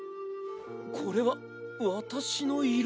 これは私の色。